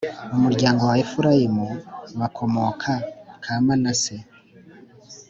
umuryango wa Efurayimu bakomoka ka manase